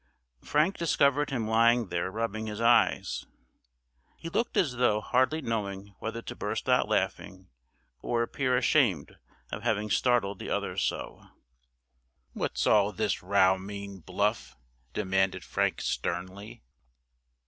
Frank discovered him lying there rubbing his eyes. He looked as though hardly knowing whether to burst out laughing or appear ashamed of having startled the others so. "What's all this row mean, Bluff?" demanded Frank sternly.